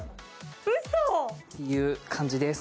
嘘っ！っていう感じです。